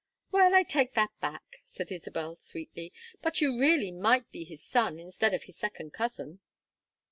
"Well, I take that back," said Isabel, sweetly. "But you really might be his son instead of his second cousin."